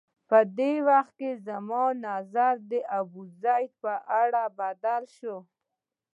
په دې وخت کې زما نظر د ابوزید په اړه بدل شوی و.